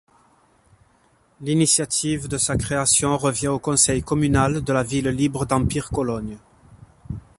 L'initiative de sa création revient au conseil communal de la ville libre d'Empire Cologne.